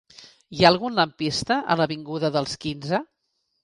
Hi ha algun lampista a l'avinguda dels Quinze?